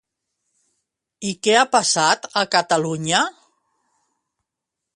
I què ha passat a Catalunya?